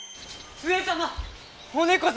上様！